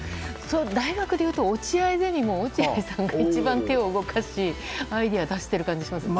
大学でいうと落合ゼミも落合さんが一番手を動かしアイデアを出してる感じがします。